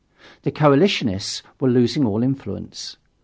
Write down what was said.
The coalitionists were losing all influence.